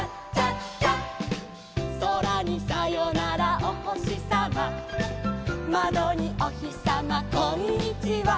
「そらにさよならおほしさま」「まどにおひさまこんにちは」